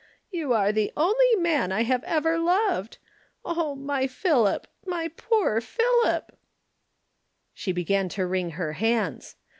You are the only man I have ever loved. Oh my Philip! My poor Philip!" She began to wring her hands.